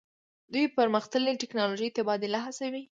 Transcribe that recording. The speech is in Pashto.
دوی د پرمختللې ټیکنالوژۍ تبادله هڅوي